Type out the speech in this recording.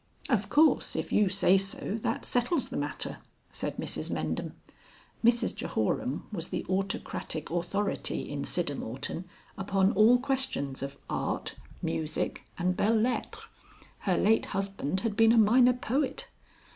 "Of course, if you say so that settles the matter," said Mrs Mendham. Mrs Jehoram was the autocratic authority in Siddermorton upon all questions of art, music and belles lettres. Her late husband had been a minor poet.